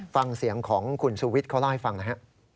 ฟังเสียงของคุณชูวิทย์เขาเล่าให้ฟังหน่อยฮะ